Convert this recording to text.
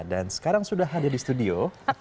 dan sekarang sudah hadir di studio